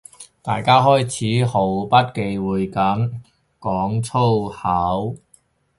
大家開始毫不忌諱噉講粗口